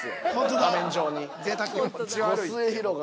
画面上に。